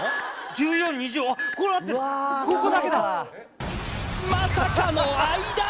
１４２０あこれあってるここだけだまさかの間！